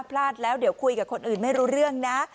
พลาดแล้วเดี๋ยวคุยกับคนอื่นไม่รู้เรื่องนะ